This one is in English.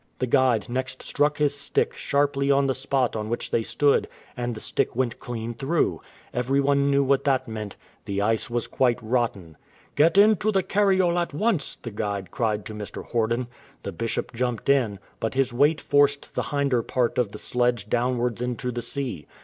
The guide next struck his stick sharply on the spot on which they stood, and the stick went clean through. Every one knew what that meant — the ice was quite rotten. " Get into the cariole at once !" the guide cried to Mr. Horden. The Bishop jumped in, but his weight forced the hinder part of the sledge downwards into the sea.